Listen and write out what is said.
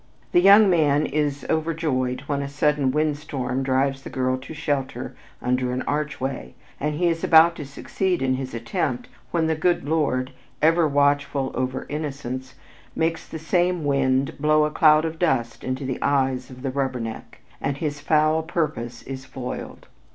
The young man is overjoyed when a sudden wind storm drives the girl to shelter under an archway, and he is about to succeed in his attempt when the good Lord, "ever watchful over innocence," makes the same wind "blow a cloud of dust into the eyes of the rubberneck," and "his foul purpose is foiled."